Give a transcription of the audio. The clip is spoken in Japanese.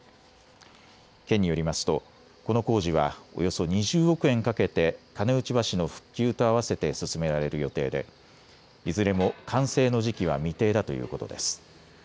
県によりますとこの工事はおよそ２０億円かけて金内橋の復旧とあわせて進められる予定でいずれも完成の時期は未定だということです。